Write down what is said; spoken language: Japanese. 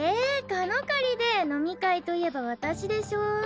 「かのかり」で飲み会といえば私でしょ？